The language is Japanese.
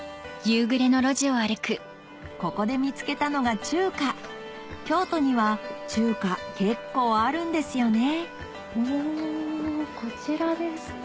ここで見つけたのが中華京都には中華結構あるんですよねおこちらですか。